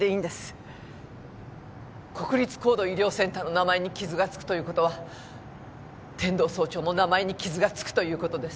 国立高度医療センターの名前に傷がつくという事は天堂総長の名前に傷がつくという事です。